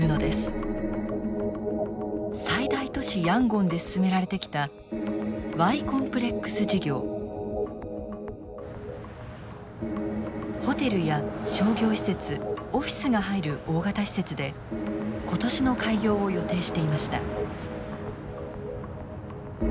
最大都市ヤンゴンで進められてきたホテルや商業施設オフィスが入る大型施設で今年の開業を予定していました。